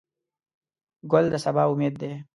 ګل د سبا امید دی.